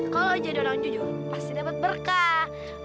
kalo lo jadi orang jujur pasti dapet berkah